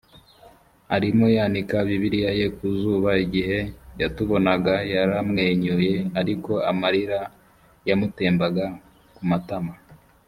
arimo yanika bibiliya ye ku zuba igihe yatubonaga yaramwenyuye ariko amarira yamutembaga ku matama